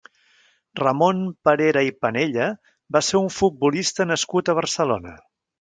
Ramon Parera i Penella va ser un futbolista nascut a Barcelona.